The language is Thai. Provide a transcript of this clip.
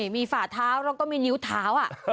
มีฝาเท้าและมีนิ้วเท้า